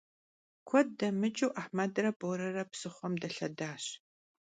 Kued demıç'ıu Ahmedre Borere psıxhuem delhedaş.